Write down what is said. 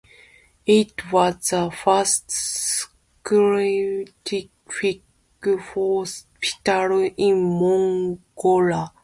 It was the first scientific hospital in Mongolia.